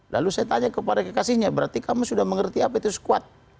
lalu saya tanya kepada kekasihnya berarti kamu sudah mengerti apa itu squad